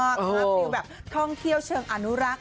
มันก็คิดว่าแบบท่องเที่ยวเชิงอนุรักษ์